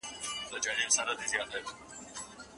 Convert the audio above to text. د استاد اړینه دنده د شاګرد سمه لارښوونه ده.